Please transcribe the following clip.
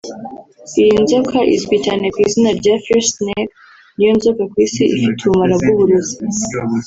Iyi nzoka izwi cyane ku izina rya “Fierce snake” ni yo nzoka ku isi ifite ubumara bw’uburozi